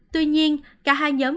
tuy nhiên cả hai nhóm